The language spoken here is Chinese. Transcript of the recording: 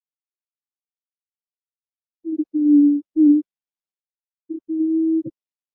暗能量假说是当今对宇宙加速膨胀的观测结果的解释中最为流行的一种。